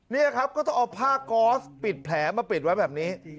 นี่ครับก็ต้องเอาผ้าก๊อสปิดแผลมาปิดไว้แบบนี้